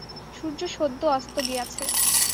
সূর্য সদ্য অস্ত গিয়াছে।